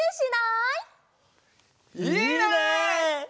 いいね！